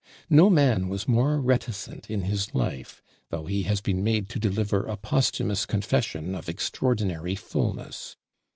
No man was more reticent in his life, though he has been made to deliver a posthumous confession of extraordinary fullness.